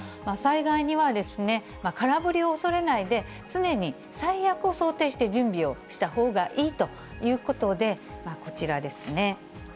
災害には空振りを恐れないで、常に最悪を想定して準備をしたほうがいいということで、こちらですね。